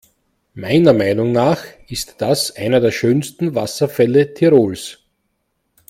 Meiner Meinung nach ist das einer der schönsten Wasserfälle Tirols.